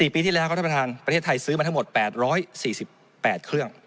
ปีที่แล้วครับท่านประธานประเทศไทยซื้อมาทั้งหมด๘๔๘เครื่อง